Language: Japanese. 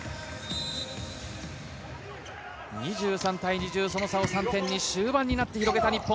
２３対２０、その差を３点、終盤になって広げた日本。